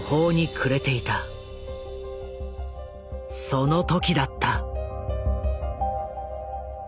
その時だった。